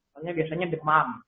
soalnya biasanya demam